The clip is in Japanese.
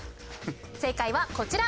正解はこちら。